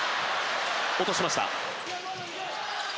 落としました。